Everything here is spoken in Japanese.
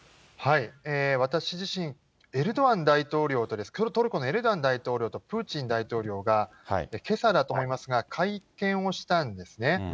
私自身、エルドアン大統領と、プエルトルコのエルドアン大統領とプーチン大統領が、けさだと思いますが、会見をしたんですね。